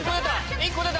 １個出た！